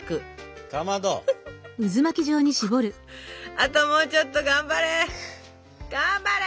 あともうちょっと頑張れ頑張れ！